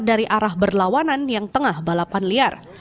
dari arah berlawanan yang tengah balapan liar